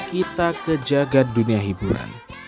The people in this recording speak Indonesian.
kita ke jaga dunia hiburan